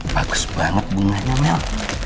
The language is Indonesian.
bagus banget bunganya mel